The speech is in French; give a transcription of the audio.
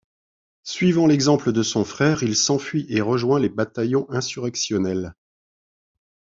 Suivant l'exemple de son frère, il s'enfuit et rejoint les bataillons insurrectionnels.